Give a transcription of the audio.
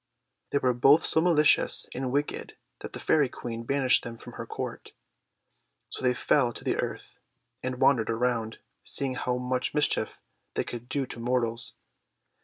They were both so malicious and wicked that the Fairy Queen banished them from her Court. So they fell to earth and wandered around, seeing how much mischief they could do to mortals.